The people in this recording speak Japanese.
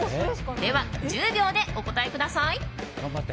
では、１０秒でお答えください。